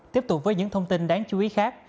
tiếp tục với những thông tin đáng chú ý khác